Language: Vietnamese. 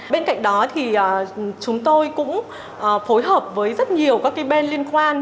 bên cạnh đó thì chúng tôi cũng phối hợp với rất nhiều các bên liên quan